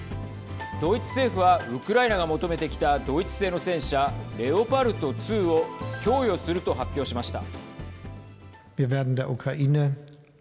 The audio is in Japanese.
ドイツ政府はウクライナが求めてきたドイツ製の戦車レオパルト２を供与すると発表しました。